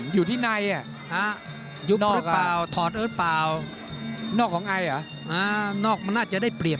อยู่ที่ในเนี่ย